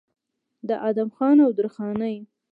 د ادم خان او درخانۍ